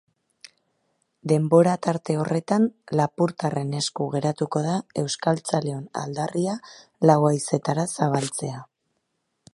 Denbora tarte horretan lapurtarren esku geratuko da euskaltzaleon aldarria lau haizetara zabaltzea.